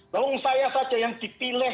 tolong saya saja yang dipilih